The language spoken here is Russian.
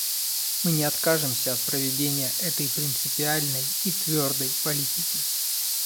Мы не откажемся от проведения этой принципиальной и твердой политики.